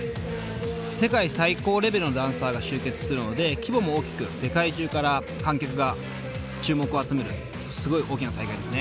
世界最高レベルのダンサーが集結するので規模も大きく世界中から観客が注目を集めるすごい大きな大会ですね。